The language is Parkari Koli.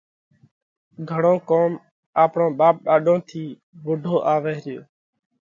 گھڻو ڪوم آپڻون ٻاپ ڏاڏون ٿِي ووڍو آوئه ريو۔